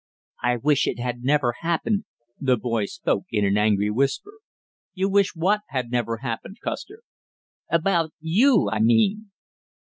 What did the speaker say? "I wish it had never happened!" The boy spoke in an angry whisper. "You wish what had never happened, Custer?" "About you I mean!"